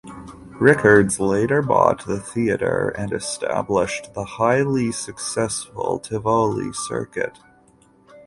Rickards later bought the theatre and established the highly successful Tivoli circuit.